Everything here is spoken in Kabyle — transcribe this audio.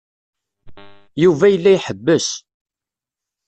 Yuba yella iḥebbes.